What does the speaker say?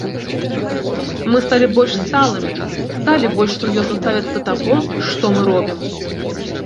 Мы сталі больш сталымі, сталі больш сур'ёзна ставіцца да таго, што мы робім.